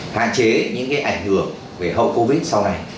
hạn chế những ảnh hưởng về hậu covid sau này